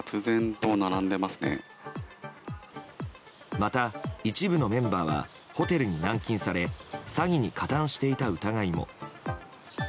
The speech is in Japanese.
また、一部のメンバーはホテルに軟禁され詐欺に加担していた疑いも。